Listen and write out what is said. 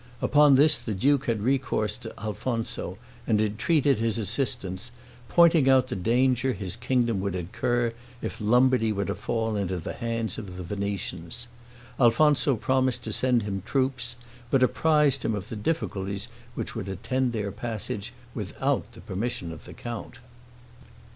Upon this the duke had recourse to Alfonso, and entreated his assistance, pointing out the danger his kingdom would incur if Lombardy were to fall into the hands of the Venetians. Alfonso promised to send him troops, but apprised him of the difficulties which would attend their passage, without the permission of the count.